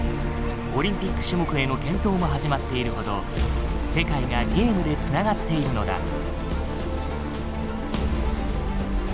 オリンピック種目への検討も始まっているほど世界がゲームで繋がっているのだ。